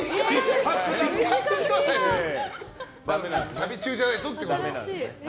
サビ中じゃないとってことね。